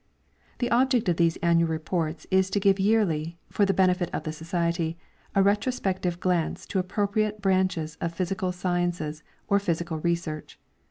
The object of these annual reports is to give yearly, for the benefit of the Society, a retrospective glance to appropriate branches of physical sciences or physical research.